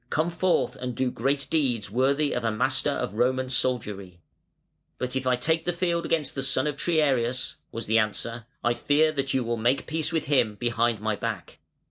Come forth and do great deeds worthy of a Master of Roman Soldiery". "But if I take the field against the son of Triarius", was the answer, "I fear that you will make peace with him behind my back".